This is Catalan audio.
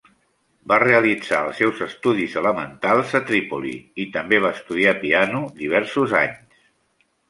Va realitzar els seus estudis elementals a Trípoli, i també va estudiar piano diversos anys.